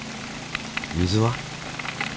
水は？